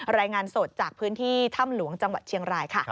รายงานสดจากพื้นที่ถ้ำหลวงจังหวัดเชียงรายค่ะ